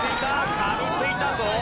噛みついたぞ！